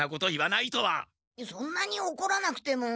そんなにおこらなくても。